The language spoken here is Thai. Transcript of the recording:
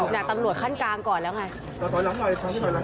เนี่ยตำรวจขั้นกลางก่อนแล้วไง